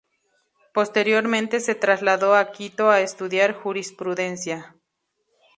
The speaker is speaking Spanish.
Posteriormente se trasladó a Quito a estudiar jurisprudencia.